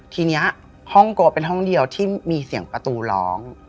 ทีนี้ห้องโกเป็นห้องเดียวที่มีเสียงประตูร้อง